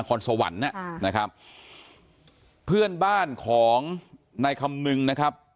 คอนสวรรค์นะครับเพื่อนบ้านของนายคำนึงนะครับ